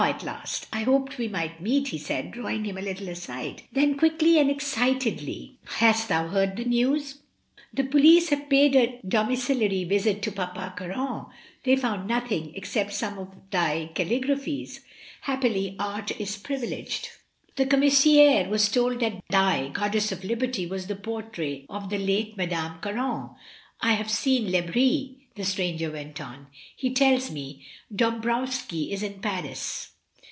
at last I hoped we might meet," he said, drawing him a little aside. Then quickly and ex citedly, "Hast thou heard the news? The police have paid a domiciliary visit to Papa Caron: they found nothing except some of thy caligraphies. Happily art is privileged. The commissaire was told that thy ^Goddess of Liberty' was the portrait of the late Madame Caron. I have seen Lebris," the stranger went on. "He tells me Dombrowski is in Paris.